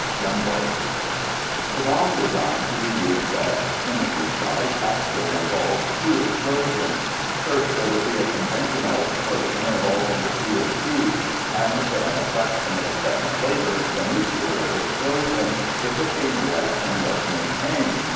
Jumbo The bomb design to be used at Trinity Site actually involved two explosions. First there would be a conventional explosion involving the TNT and then, a fraction of a second later, the nuclear explosion, if a chain reaction was maintained.